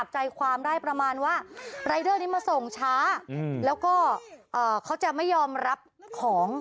ใจความได้ประมาณว่ารายเดอร์นี้มาส่งช้าแล้วก็เขาจะไม่ยอมรับของ